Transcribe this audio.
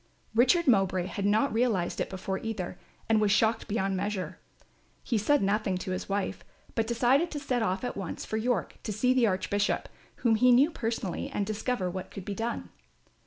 Richard Mowbray had not realised it before either, and was shocked beyond measure. He said nothing to his wife, but decided to set off at once for York to see the Archbishop, whom he knew personally, and discover what could be done.